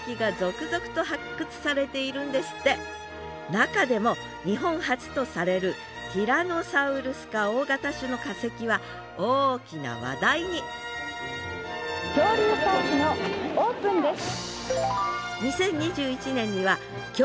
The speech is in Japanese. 中でも日本初とされるティラノサウルス科大型種の化石は大きな話題に「恐竜パークのオープンです」。